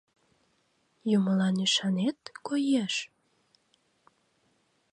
— Юмылан ӱшанет, коеш?